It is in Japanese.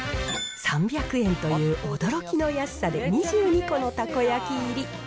３００円という驚きの安さで２２個のたこ焼き入り。